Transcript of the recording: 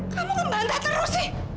kamu ngebantah terus sih